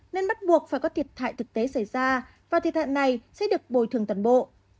nên bắt buộc phải có thiệt hại thực tế xảy ra và thiệt hại này sẽ được bồi thường toàn bộ